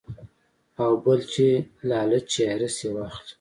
او بل چې لالچ يا حرص ئې واخلي -